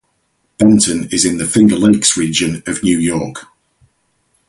Benton is in the Finger Lakes region of New York.